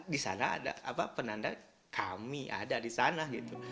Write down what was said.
di sana ada penanda kami ada di sana